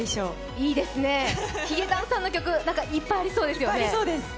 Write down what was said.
いいですね、ヒゲダンさんの曲、いっぱいありそうですね。